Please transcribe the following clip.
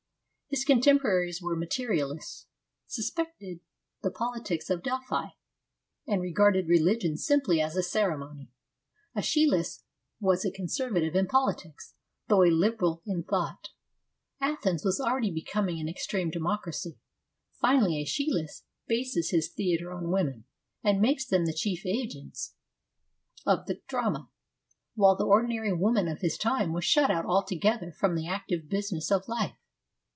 His contemporaries were ma terialists, suspected the politics of Delphi, and re garded religion simply as a ceremony ^Eschylus was a conservative in politics, although a liberal in thought ; Athens was already becoming an extreme democracy. Finally, iEschylus bases his theatre on women, and makes them the chief agents 68 FEMINISM IN GREEK LITERATURE of the drama, while the ordinary woman of his time was shut out altogether from the active business of life.